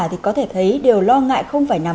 thì có thể thấy điều lo ngại không phải nằm